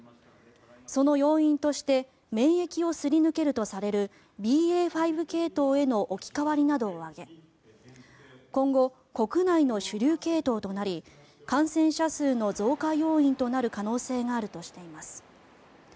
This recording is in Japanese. その要因として免疫をすり抜けるとされるＢＡ．５系統への置き換わりなどを挙げ今後、国内の主流系統となり感染者数の増加要因となる可能性があるとしています。